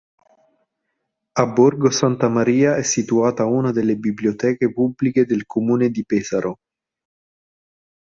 A Borgo Santa Maria è situata una delle biblioteche pubbliche del comune di Pesaro.